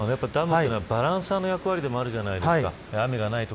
ダムというのはバランサーの役割もあるじゃないですか。